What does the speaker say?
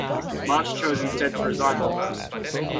March chose instead to resign the post.